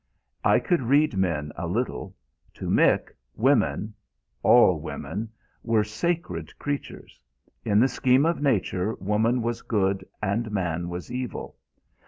I could read men a little. To Mick women all women were sacred creatures. In the scheme of nature woman was good and man was evil.